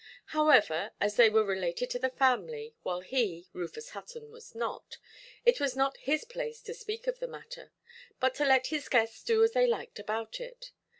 However, as they were related to the family, while he, Rufus Hutton, was not, it was not his place to speak of the matter, but to let his guests do as they liked about it.